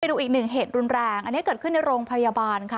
ดูอีกหนึ่งเหตุรุนแรงอันนี้เกิดขึ้นในโรงพยาบาลค่ะ